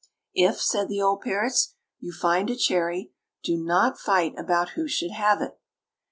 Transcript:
"If," said the old parrots, "you find a cherry, do not fight about who should have it."